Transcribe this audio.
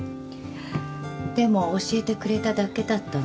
でも教えてくれただけだったの。